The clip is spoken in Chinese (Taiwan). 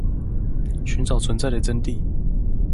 尋找存在的真諦